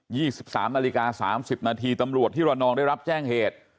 ี่สิบสามนาฬิกาสามสิบนาทีตำรวจที่ระนองได้รับแจ้งเหตุ